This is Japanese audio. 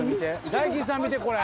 ［大吉さん見てこれ。